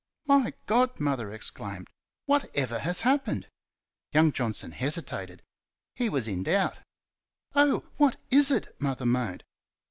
"My God!" Mother exclaimed "WHATEVER has happened?" Young Johnson hesitated. He was in doubt. "Oh! What IS it?" Mother moaned.